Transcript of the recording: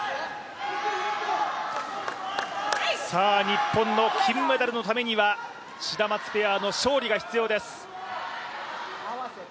日本の金メダルのためにはシダマツペアの勝利が必要です。